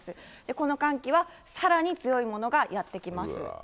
この寒気はさらに強いものがやっうわー。